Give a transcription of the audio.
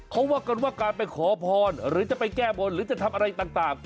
เขาว่ากันว่าการไปขอพรหรือจะไปแก้บนหรือจะทำอะไรต่าง